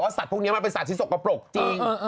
ว่าสัตว์พวกนี้มันเป็นสารชีสกปรกจริง